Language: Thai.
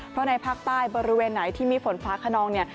เพราะในภาคใต้บริเวณไหนที่มีฝนฟ้าขนองเนี่ย